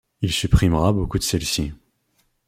Il supprimera beaucoup de celles-ci.